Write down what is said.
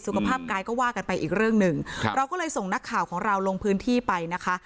กายก็ว่ากันไปอีกเรื่องหนึ่งครับเราก็เลยส่งนักข่าวของเราลงพื้นที่ไปนะคะ